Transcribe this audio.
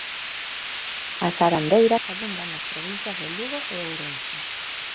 As arandeiras abundan nas provincias de Lugo e Ourense.